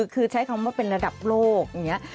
คือใช้คำว่าเป็นระดับโลก